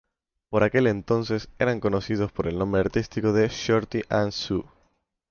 Por aquel entonces eran conocidos por el nombre artístico de "Shorty and Sue".